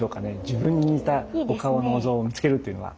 自分に似たお顔のお像を見つけるっていうのは？